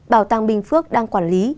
bảo tàng bình phước đang quản lý